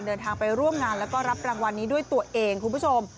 เดินทางไปร่วมงานแล้วก็รับรางวัลนี้ด้วยตัวเองคุณผู้ชม